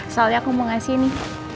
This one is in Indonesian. soalnya aku mau ngasih ini